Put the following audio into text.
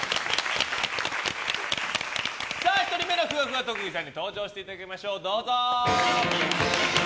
１人目のふわふわ特技さんに登場していただきましょう。